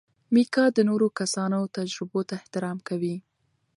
میکا د نورو کسانو تجربو ته احترام کوي.